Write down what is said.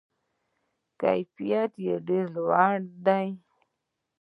کیفیت یې ډیر لوړ دی.